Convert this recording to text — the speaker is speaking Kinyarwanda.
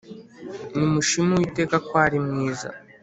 Nimushime uwiteka ko arimwiza